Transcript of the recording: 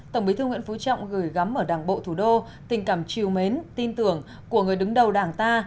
tổng bí thư nguyễn phú trọng gửi gắm ở đảng bộ thủ đô tình cảm chiều mến tin tưởng của người đứng đầu đảng ta